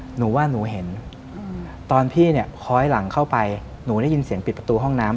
หนูว่าหนูเห็นตอนพี่เนี่ยค้อยหลังเข้าไปหนูได้ยินเสียงปิดประตูห้องน้ำ